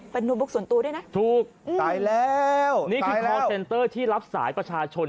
เป็นโน้ตบุ๊กส่วนตัวด้วยนะถูกตายแล้วนี่คือคอร์เซ็นเตอร์ที่รับสายประชาชน